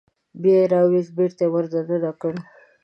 بیا یې راوویست بېرته یې ور دننه کړ.